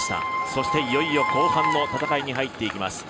そしていよいよ後半の戦いに入っていきます。